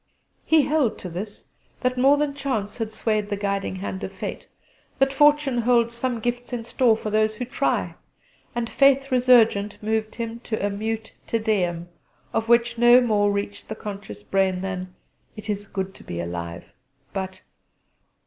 He held to this, that more than chance had swayed the guiding hand of fate that fortune holds some gifts in store for those who try; and faith resurgent moved him to a mute Te Deum, of which no more reached the conscious brain than: "It is good to be alive! But